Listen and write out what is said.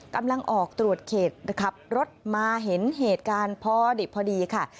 กำลังออกตรวจเขตขับรถมาเห็นเหตุการณ์พอดิบพอดีค่ะ